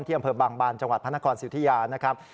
ที่อำเภบบางบานจังหวัดพนักรณ์สิวทิยานะครับ